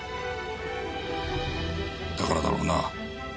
だからだろうな。